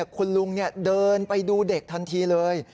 คุณลุงเดินไปดูเด็กทันทีเลย